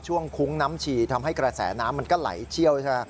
คุ้งน้ำฉี่ทำให้กระแสน้ำมันก็ไหลเชี่ยวใช่ไหม